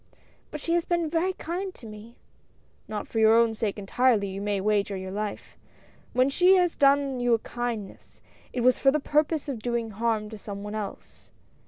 "But she has been very kind to me." "Not for your own sake entirely, you may wager your life. When she has done you a kindness, it was for the purpose of doing harm to some one else."